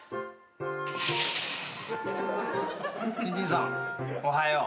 新人さんおはよう。